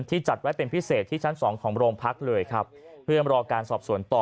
จัดไว้เป็นพิเศษที่ชั้นสองของโรงพักเลยครับเพื่อรอการสอบสวนต่อ